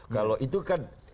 kalau itu kan